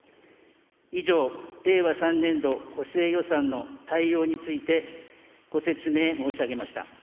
以上、令和３年度補正予算の大要について、ご説明申し上げました。